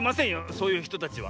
そういうひとたちは。